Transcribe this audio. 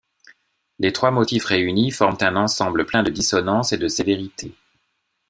Les trois motifs réunis forment un ensemble plein de dissonances et de sévérité.